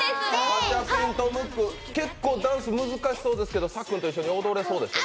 ガチャピンとムック、結構ダンス難しそうですけどさっくんと一緒に踊れそうですか？